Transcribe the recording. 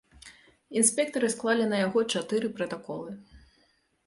Інспектары склалі на яго чатыры пратаколы.